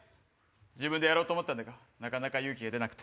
自分でやろうと思ったんだがなかなか勇気が出なくて。